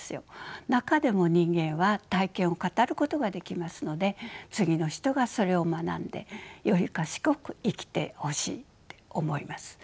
中でも人間は体験を語ることができますので次の人がそれを学んでより賢く生きてほしいって思います。